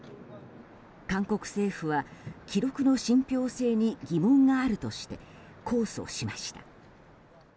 韓国政府は記録の信憑性に疑問があるとして控訴しました。